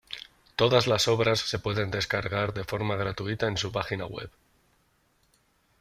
Todas las obras se pueden descargar de forma gratuita en su página web.